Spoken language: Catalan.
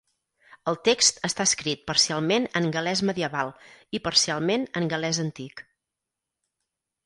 El text està escrit parcialment en gal·lès medieval i parcialment en gal·lès antic.